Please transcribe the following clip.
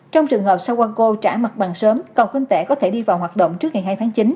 trong trường hợp sawako trả mặt bằng sớm cầu kinh tẻ có thể đi vào hoạt động trước ngày hai tháng chín